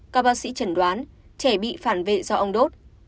các bác sĩ chẩn đoán trẻ bị phản vệ do ông đốt